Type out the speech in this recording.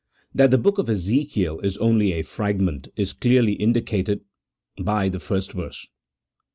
That the book of EzeMel is only a fragment, is clearly indicated by the first verse.